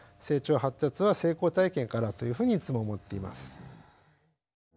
成長・発達は成功体験からというふうにいつも思っています。